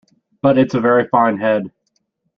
But it's a very fine head.